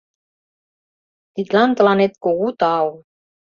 Тидлан тыланет кугу тау.